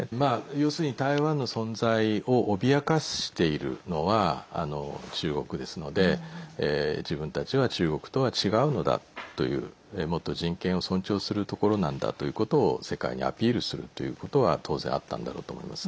要するに、台湾の存在を脅かしているのは中国ですので自分たちは中国とは違うのだというもっと人権を尊重するところなんだということを世界にアピールするということは当然あったんだろうと思います。